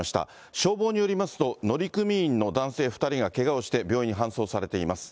消防によりますと、乗組員の男性２人がけがをして病院に搬送されています。